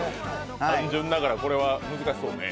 単純ながら、これは難しそうね。